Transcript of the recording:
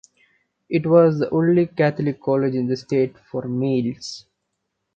It was the only Catholic college in the state for males.